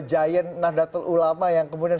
giant nahdlatul ulama yang kemudian